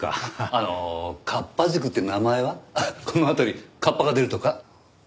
この辺り河童が出るとか？